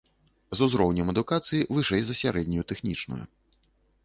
З узроўнем адукацыі вышэй за сярэднюю тэхнічную.